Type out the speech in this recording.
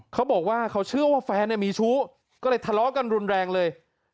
เขาบอกว่าเขาเชื่อว่าแฟนมีชู้ก็เลยทะเลาะกันรุนแรงเลย